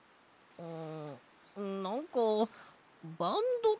うん。